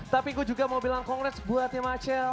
tapi gue juga mau bilang congrats buat tim acel